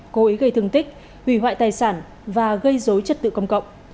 cố ý gây thương tích hủy hoại tài sản và gây dối trật tự công cộng